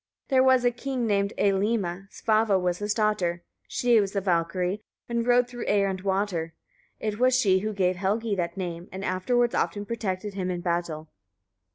There was a king named Eylimi; Svava was his daughter; she was a Valkyria and rode through air and water. It was she who gave Helgi that name, and afterwards often protected him in battle.